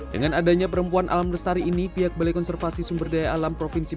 dengan adanya perempuan alam lestari ini pihak balai konservasi sumber daya alam provinsi